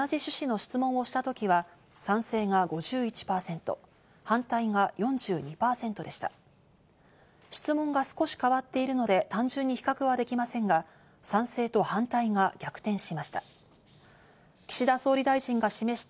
質問が少し変わっているので単純に比較はできませんが、賛成と反対が逆転しました。